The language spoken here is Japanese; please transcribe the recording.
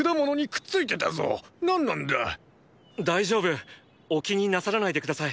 大丈夫お気になさらないで下さい。